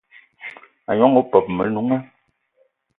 A gnong opeup o Menunga